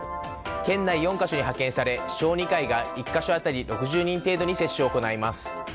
県内４か所に派遣され小児科医が１か所当たり６０人程度に接種を行います。